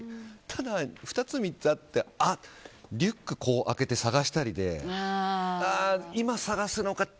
ただ、２つ、３つあってリュック開けて探したりで今、探すのかと。